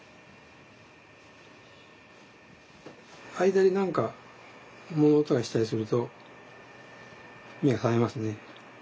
間に何か物音がしたりすると目が覚めますね。